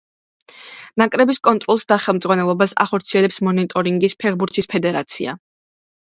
ნაკრების კონტროლს და ხელმძღვანელობას ახორციელებს მონტენეგროს ფეხბურთის ფედერაცია.